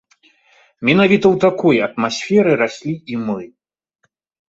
Менавіта ў такой атмасферы раслі і мы.